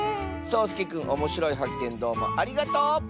そうすけくんおもしろいはっけんどうもありがとう！